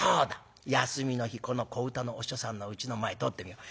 休みの日この小唄のお師匠さんのうちの前通ってみよう。